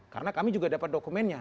karena kami juga dapat dokumennya